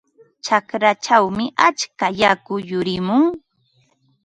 Raqrachawmi atska yaku yurimun.